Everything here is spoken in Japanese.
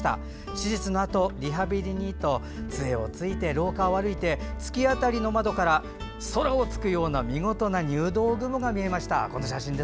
手術のあとリハビリにとつえをついて廊下を歩いて突き当たりの窓から空を突くような本当に見事な入道雲が見えました。